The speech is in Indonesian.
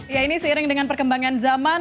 ya ini seiring dengan perkembangan zaman